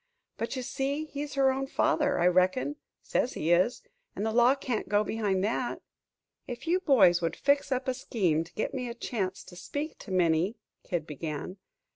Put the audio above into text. But you see he's her own father, I reckon says he is and the law can't go behind that." "If you boys would fix up a scheme to get me a chance to speak to Minnie " Kid began.